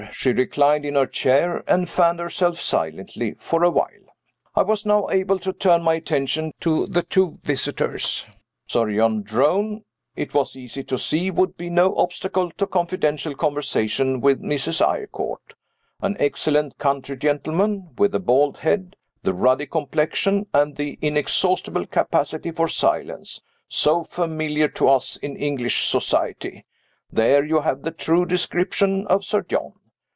She reclined in her chair, and fanned herself silently for a while. I was now able to turn my attention to the two visitors. Sir John Drone, it was easy to see, would be no obstacle to confidential conversation with Mrs. Eyrecourt. An excellent country gentleman, with the bald head, the ruddy complexion, and the inexhaustible capacity for silence, so familiar to us in English society there you have the true description of Sir John.